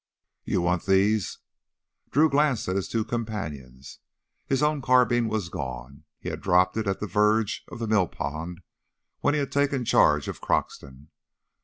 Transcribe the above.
"You want these?" Drew glanced at his two companions. His own carbine was gone; he had dropped it at the verge of the millpond when he had taken charge of Croxton.